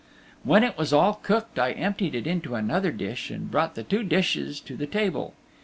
When it was all cooked I emptied it into another dish and brought the two dishes to the table.